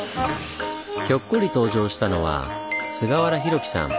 ひょっこり登場したのは菅原弘樹さん。